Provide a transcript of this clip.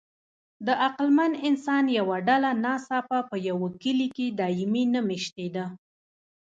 د عقلمن انسان یوه ډله ناڅاپه په یوه کلي کې دایمي نه مېشتېده.